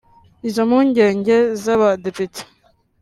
Izo mpungenge z’abadepite